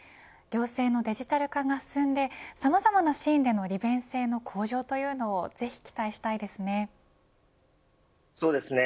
行政のデジタル化が進んでさまざまなシーンでの利便性の向上というのをぜひ期待したいですね。